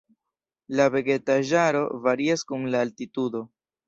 La vegetaĵaro varias kun la altitudo.